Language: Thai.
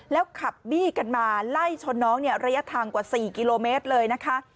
แล้วขับบี้กันมาไล่ชนน้องเนี่ยระยะทางกว่า๔กิโลเมตรเลยนะคะ